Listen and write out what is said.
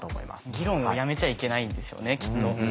議論をやめちゃいけないんでしょうねきっと。